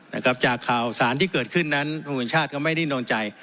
นะครับจากข่าวสารที่เกิดขึ้นนั้นคุณชาติก็ไม่ได้นอนใจ